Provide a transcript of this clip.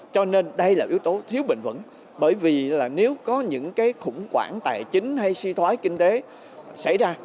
cho nên đây là yếu tố thiếu bình vẩn bởi vì là nếu có những cái khủng quản tài chính hay suy thoái kinh tế xảy ra